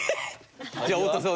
じゃあ太田さん